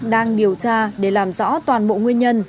đang điều tra để làm rõ toàn bộ nguyên nhân